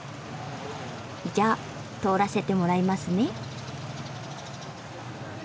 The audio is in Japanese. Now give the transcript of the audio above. じゃあ通らせてもらいますね。